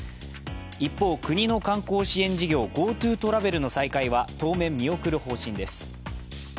一方、国の観光支援事業、ＧｏＴｏトラベルの再開は当面、見送る方針です。